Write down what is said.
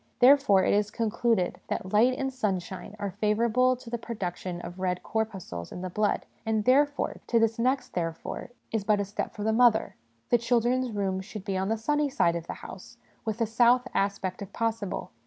Therefore, it is concluded that light and sunshine are favourable to the production of red corpuscles in the blood ; and, therefore to this next ' therefore ' is but a step for the mother the children's rooms should be on the sunny side of the house, with a south aspect if possible.